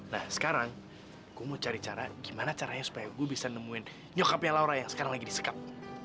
nah sekarang gue mau cari cara gimana caranya supaya gue bisa nemuin nyokapia laura yang sekarang lagi disekap